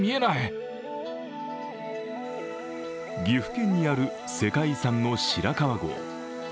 岐阜県にある世界遺産の白川郷。